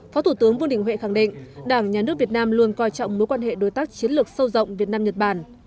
phó thủ tướng vương đình huệ khẳng định đảng nhà nước việt nam luôn coi trọng mối quan hệ đối tác chiến lược sâu rộng việt nam nhật bản